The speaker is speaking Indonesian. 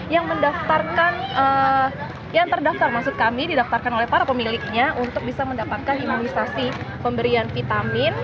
yang mendaftarkan yang terdaftar maksud kami didaftarkan oleh para pemiliknya untuk bisa mendapatkan imunisasi pemberian vitamin